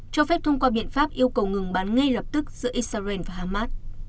cho phép thông qua biện pháp yêu cầu ngừng bắn ngay lập tức giữa israel và hamas